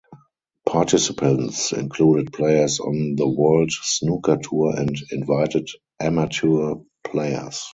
Participants included players on the World Snooker Tour and invited amateur players.